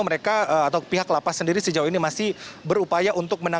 mereka atau pihak lapas sendiri sejauh ini masih berupaya untuk menangkap